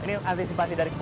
ini antisipasi dari kinerja